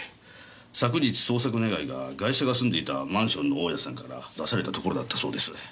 昨日捜索願がガイシャが住んでいたマンションの大家さんから出されたところだったそうです。